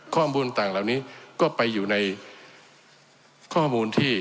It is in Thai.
ข้อมูลต่างเหล่านี้ก็ไปอยู่ในข้อมูลที่